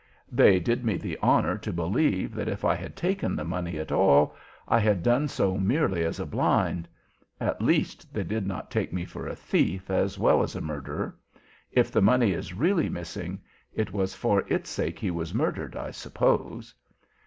They did me the honour to believe that if I had taken the money at all, I had done so merely as a blind. At least they did not take me for a thief as well as a murderer. If the money is really missing, it was for its sake he was murdered I suppose."